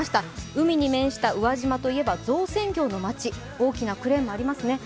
海に面した宇和島といえば造船業の街、大きなクレーンもありますね。